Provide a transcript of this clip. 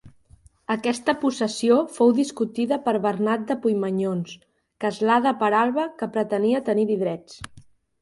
Aquesta possessió fou discutida per Bernat de Puimanyons, castlà de Peralba que pretenia tenir-hi drets.